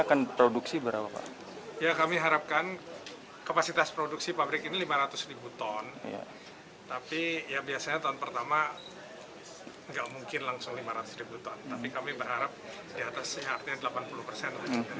kami berharap di atasnya artinya delapan puluh persen